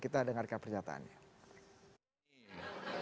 kita dengarkan pernyataannya